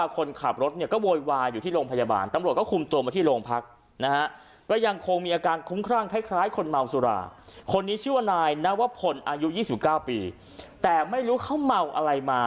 คนนี้ชื่อว่านายนวพลอายุ๒๙ปีแต่ไม่รู้เขาเมาอะไรมา